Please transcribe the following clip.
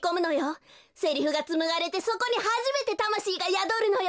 セリフがつむがれてそこにはじめてたましいがやどるのよ。